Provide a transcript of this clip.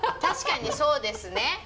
確かにそうですね。